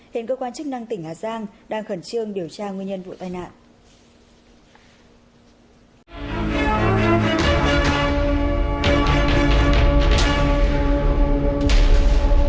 hiện cơ quan chức năng tỉnh hà giang đang khẩn trương điều tra nguyên nhân vụ tai nạn